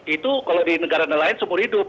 itu kalau di negara nelayan seumur hidup